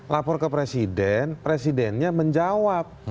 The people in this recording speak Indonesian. lapor ke presiden presidennya menjawab